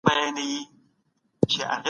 فساد کول د انساني ټولني لپاره یو خطرناک زهر دی.